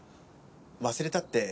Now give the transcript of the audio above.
忘れたって